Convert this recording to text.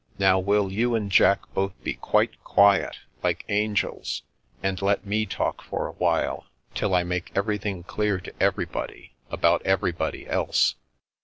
Now, will you and Jack tx)th be quite quiet, like angels, and let me talk for a while, till I make everything clear to everybody, about everybody else.